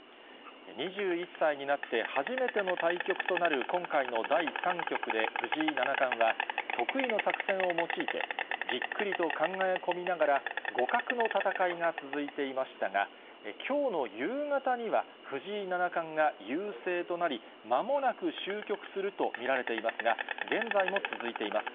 ２１歳になって初めての対局となる今回の第３局で藤井七冠は、得意の作戦を用いて、じっくりと考え込みながら、互角の戦いが続いていましたが、きょうの夕方には、藤井七冠が優勢となり、まもなく終局すると見られていますが、現在も続いています。